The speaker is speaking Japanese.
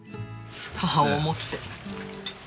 母を思って。